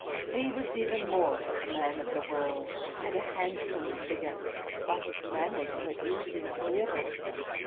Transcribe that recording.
He was even more a man of the world, had a handsome figure, while his manners were easy and agreeable.